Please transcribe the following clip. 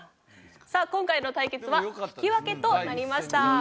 さあ今回の対決は引き分けとなりました。